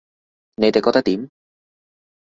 你哋覺得點